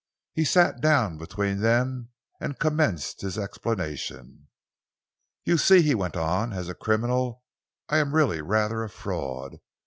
He sat down between them and commenced his explanation. "You see," he went on, "as a criminal I am really rather a fraud.